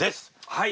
はい。